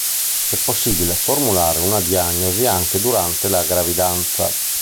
È possibile formulare una diagnosi anche durante la gravidanza.